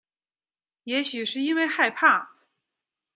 也许是因为害怕